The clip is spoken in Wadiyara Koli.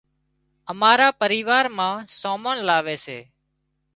امارا پريوار مان سامان لاوي سي